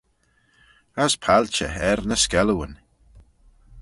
As palçhey er ny skellooyn.